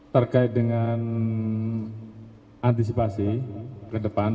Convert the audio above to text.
terkait dengan antisipasi ke depan